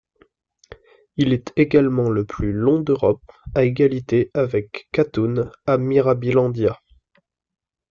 Il est également le plus long d'Europe, à égalité avec Katun à Mirabilandia.